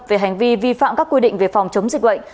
về hành vi vi phạm các quy định về phòng chống dịch bệnh